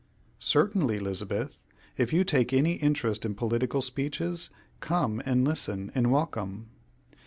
"Certainly, Lizabeth; if you take any interest in political speeches, come and listen in welcome."